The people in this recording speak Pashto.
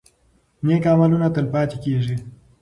نیک عملونه تل پاتې کیږي.